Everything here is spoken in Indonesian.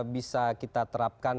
bisa kita terapkan